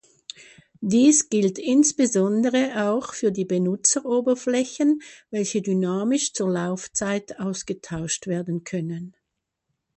Dies gilt insbesondere auch für die Benutzeroberflächen, welche dynamisch zur Laufzeit ausgetauscht werden können.